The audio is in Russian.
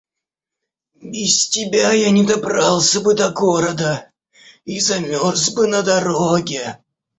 Без тебя я не добрался бы до города и замерз бы на дороге».